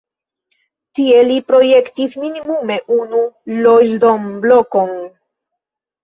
Tie li projektis minimume unu loĝdomblokon.